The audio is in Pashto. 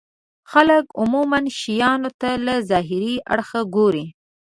خلک عموما شيانو ته له ظاهري اړخه ګوري.